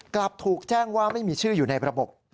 กลับถูกแจ้งว่าไม่มีชื่ออยู่ในระบบ